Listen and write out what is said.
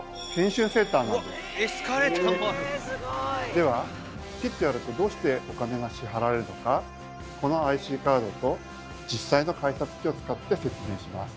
ではピッとやるとどうしてお金が支払われるのかこのＩＣカードと実際の改札機を使って説明します。